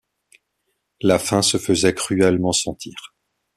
La faim se faisait cruellement sentir !